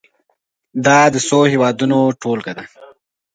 دا د څو هېوادونو ټولګه ده.